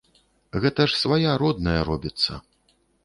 Гэта ж свая родная робіцца.